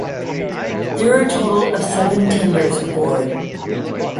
There are a total of seven tenders aboard.